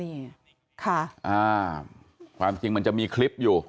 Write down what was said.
นี่ค่ะอ่าความจริงมันจะมีคลิปอยู่